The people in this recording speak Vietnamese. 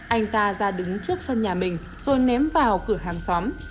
anh ta ra đứng trước sân nhà mình rồi ném vào cửa hàng xóm